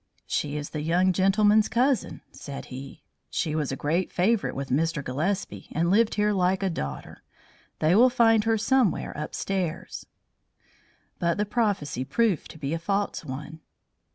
"She is the young gentlemen's cousin," said he. "She was a great favourite with Mr. Gillespie, and lived here like a daughter. They will find her somewhere upstairs." But the prophecy proved to be a false one.